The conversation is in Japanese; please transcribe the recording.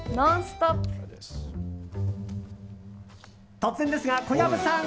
突然ですが、小籔さん。